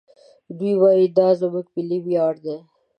دوی وايي دا زموږ ملي ویاړ دی.